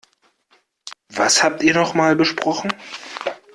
Was habt ihr noch mal besprochen?